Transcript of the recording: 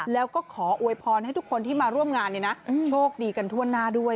แล้วก็ขออวยพรให้ทุกคนที่มาร่วมงานเนี่ยนะ